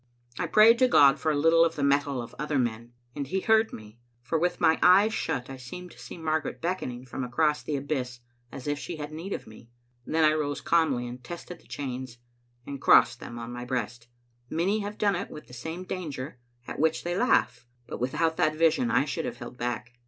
I prayed to God for a little of the mettle of other men, and He heard me, for with my eyes shut I seemed to see Margaret beckoning from across the abyss as if she had need of me. Then I rose calmly and tested the chains, and crossed them on my breast. Many have done it with the same danger, at which they laugh, but without that vision I should have held back.